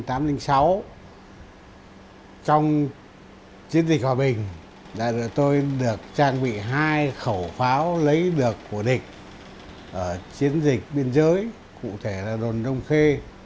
trong chiến dịch hòa bình tôi được trang bị hai khẩu pháo lấy được của địch ở chiến dịch biên giới cụ thể là đồn đông khê